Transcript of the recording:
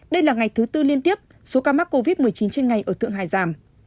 đây là ngày thứ tư liên tiếp số ca mắc covid một mươi chín trên ngày ở thượng hải giảm